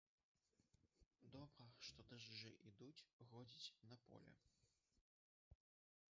Добра, што дажджы ідуць, годзіць на поле.